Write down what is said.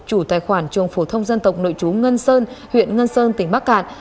chủ tài khoản trường phủ thông dân tộc nội trú ngân sơn huyện ngân sơn tỉnh bắc cạn